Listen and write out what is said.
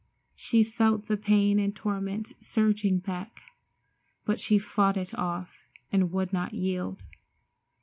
She felt the pain and torment surging back, but she fought it off and would not yield.